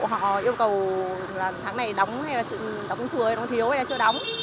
họ yêu cầu là tháng này đóng hay là đóng thừa hay là nó thiếu hay là chưa đóng